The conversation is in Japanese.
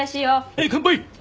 はい乾杯！